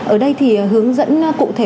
ở đây hướng dẫn cụ thể